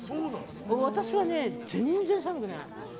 私は全然寒くない。